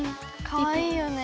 かわいいよね。